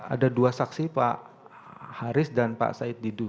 ada dua saksi pak haris dan pak said didu